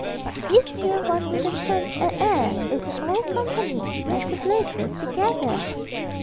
But this 'ere one wouldn't turn a 'air if the 'ole company went to blazes together!'